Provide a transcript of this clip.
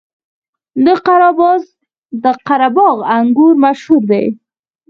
د قره باغ انګور مشهور دي